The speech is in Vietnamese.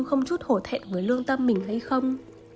không chút hổ thẹn với lương tâm mình hay không